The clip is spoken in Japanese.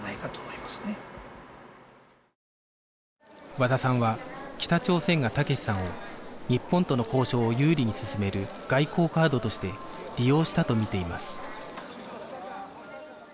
和田さんは北朝鮮が武志さんを日本との交渉を有利に進める外交カードとして利用したとみています